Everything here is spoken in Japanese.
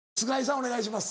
お願いします。